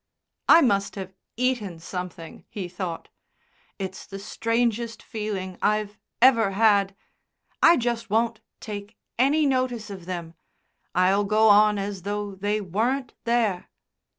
"I must have eaten something," he thought. "It's the strangest feeling I've ever had. I just won't take any notice of them. I'll go on as though they weren't there."